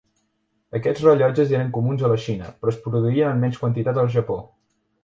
Aquests rellotges eren comuns a la Xina, però es produïen en menys quantitat al Japó.